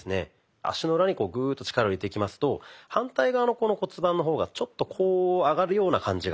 足の裏にグーッと力を入れていきますと反対側の骨盤の方がちょっとこう上がるような感じが。